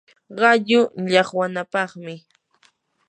qallu llaqwanapaqmi